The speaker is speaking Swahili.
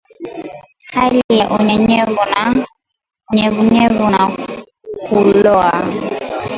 Hali ya unyevuvyevu na kuloa